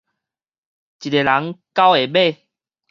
一个人，九个尾